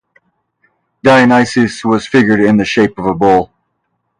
Dionysus was figured in the shape of a bull.